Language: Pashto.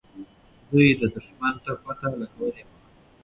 دوی دښمن ته پته لګولې وه.